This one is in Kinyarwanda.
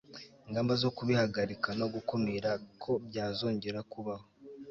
ingamba zo kubihagarika no gukumira ko byazongera kubaho